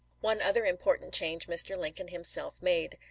One other important change Mr. Lincoln himself made.